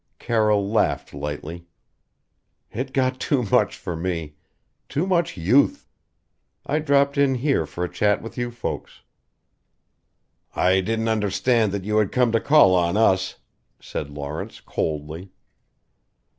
Carroll laughed lightly. "It got too much for me. Too much youth. I dropped in here for a chat with you folks." "I didn't understand that you had come to call on us," said Lawrence coldly.